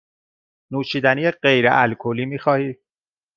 نوشیدنی غیر الکلی می خواهی؟